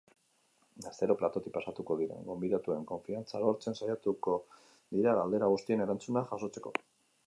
Astero platotik pasatuko diren gonbidatuen konfiantza lortzen saiatuko dira galdera guztien erantzuna jasotzeko.